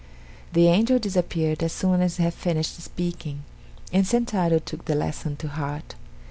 The angel disappeared as soon as he had finished speaking, and Sentaro took the lesson to heart.